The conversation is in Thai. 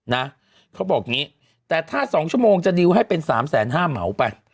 นะเขาบอกอย่างนี้แต่ถ้า๒ชั่วโมงจะดิวให้เป็นสามแสนห้าเหมาไป